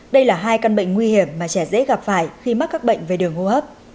đây là hai căn bệnh nguy hiểm mà trẻ dễ gặp phải khi mắc các bệnh về đường hô hấp